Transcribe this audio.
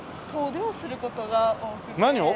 何を？